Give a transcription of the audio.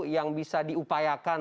yang bisa diupayakan